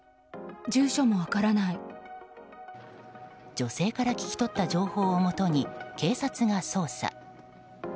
女性から聞き取った情報をもとに、警察が捜査。